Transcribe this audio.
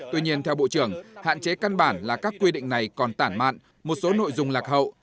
tuy nhiên theo bộ trưởng hạn chế căn bản là các quy định này còn tản mạn một số nội dung lạc hậu